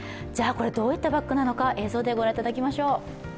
どういったバッグなのか、映像でご覧いただきましょう。